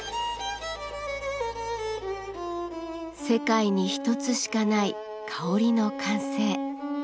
世界に一つしかない香りの完成。